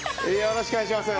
よろしくお願いします。